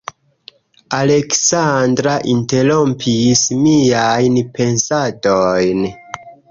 Aleksandra interrompis miajn pensadojn.